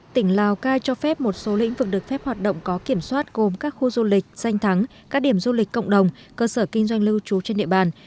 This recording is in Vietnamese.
tỉnh lào cai cho phép một số lĩnh vực được phép hoạt động có kiểm soát gồm các khu du lịch danh thắng các điểm du lịch cộng đồng cơ sở kinh doanh lưu trú trên địa bàn